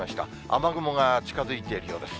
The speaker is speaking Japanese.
雨雲が近づいているようです。